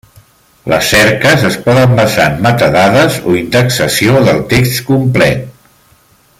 Les cerques es poden basar en metadades o indexació del text complet.